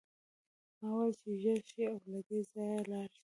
ما وویل چې ژر شئ او له دې ځایه لاړ شئ